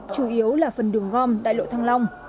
chủ yếu là phần đường gom đại lộ thăng long